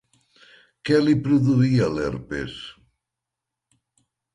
Què li produïa l'herpes?